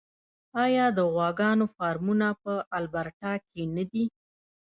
آیا د غواګانو فارمونه په البرټا کې نه دي؟